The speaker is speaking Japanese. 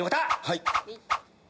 はい。